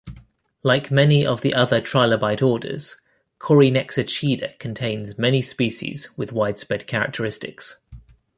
Like many of the other trilobite orders, Corynexochida contains many species with widespread characteristics.